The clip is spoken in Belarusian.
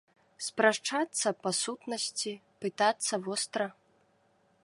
Спрачацца па сутнасці, пытацца востра.